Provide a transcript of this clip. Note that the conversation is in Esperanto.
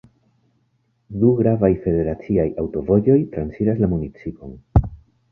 Du gravaj federaciaj aŭtovojoj transiras la municipon.